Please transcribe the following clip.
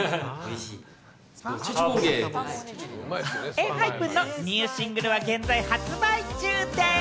ＥＮＨＹＰＥＮのニューシングルは現在、発売中です。